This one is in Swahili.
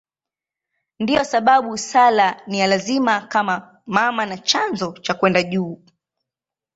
Ndiyo sababu sala ni ya lazima kama mama na chanzo cha kwenda juu.